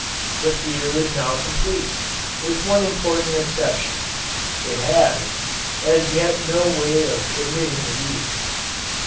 The feeder is now complete, with one important exception; it has, as yet no way of admitting the bees.